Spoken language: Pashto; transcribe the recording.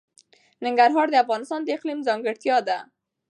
ننګرهار د افغانستان د اقلیم ځانګړتیا ده.